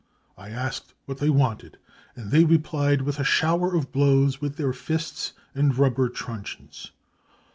I asked what they wanted, and they replied with a shower of blows with their fists and rubber * truncheons.